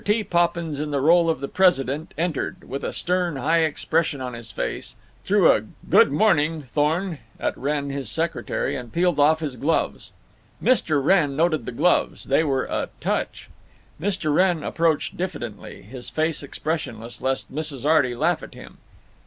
T. Poppins, in the role of the president, entered, with a stern high expression on his face, threw a "Good morning, Thorne," at Wrenn, his secretary, and peeled off his gloves. (Mr. Wrenn noted the gloves; they were a Touch.) Mr. Wrenn approached diffidently, his face expressionless, lest Mrs. Arty laugh at him.